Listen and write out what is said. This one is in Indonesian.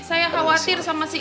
saya khawatir sama si